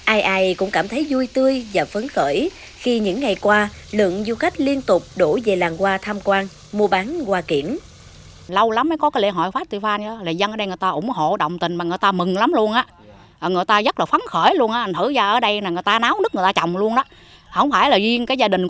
ai ai cũng cảm thấy vui tươi và phấn khởi khi những ngày qua lượng du khách liên tục đổ về làng hoa tham quan mua bán qua kiển